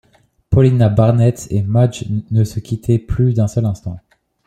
Paulina Barnett et Madge ne se quittaient plus d’un seul instant.